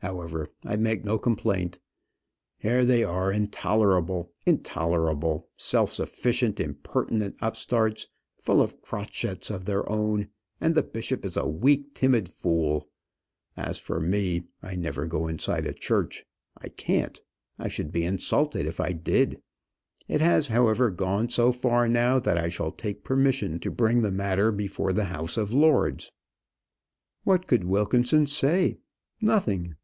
However, I make no complaint. Here they are intolerable intolerable, self sufficient, impertinent upstarts, full of crotchets of their own; and the bishop is a weak, timid fool; as for me, I never go inside a church. I can't; I should be insulted if I did. It has however gone so far now that I shall take permission to bring the matter before the House of Lords." What could Wilkinson say? Nothing.